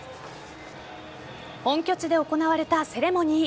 本拠地で行われたセレモニー。